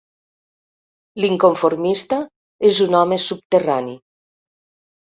L'inconformista és un home subterrani.